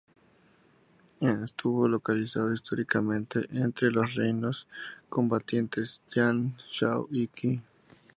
Estuvo localizado históricamente entre los reinos combatientes Yan, Shao y Qi.